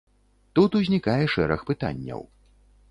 Тут узнікае шэраг пытанняў.